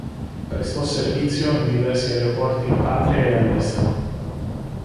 Prestò servizio in diversi aeroporti in Patria e all'estero.